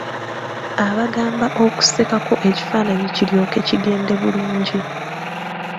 Abagamba okusekako ekifaananyi kiryoke kigende bulungi.